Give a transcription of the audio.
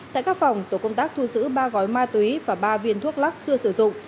tại các phòng tổ công tác thu giữ ba gói ma túy và ba viên thuốc lắc chưa sử dụng